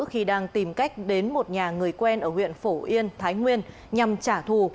khi đang tìm cách đến một nhà người quen ở huyện phổ yên thái nguyên nhằm trả thù